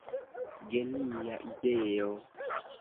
Genia ideo!